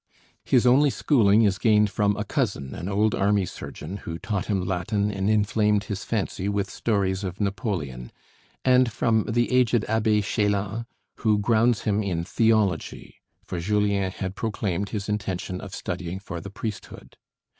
His only schooling is gained from a cousin, an old army surgeon, who taught him Latin and inflamed his fancy with stories of Napoleon, and from the aged Abbé Chélan who grounds him in theology, for Julien had proclaimed his intention of studying for the priesthood.